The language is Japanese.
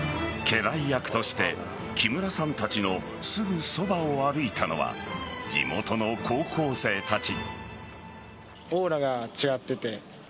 家来役として木村さんたちのすぐそばを歩いたのは地元の高校生たち。